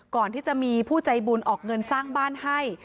ก่อนที่จะมีผู้ใจบุญออกเงินสร้างบ้านให้